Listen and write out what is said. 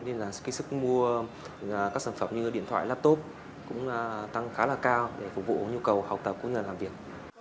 nên là cái sức mua các sản phẩm như điện thoại laptop cũng tăng khá là cao để phục vụ nhu cầu học tập của người làm việc